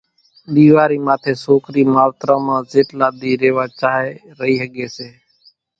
ۮيوارِي ماٿي سوڪرِي ماوتران مان زيٽلا ۮِي ريوا چاھي رئِي ۿڳي سي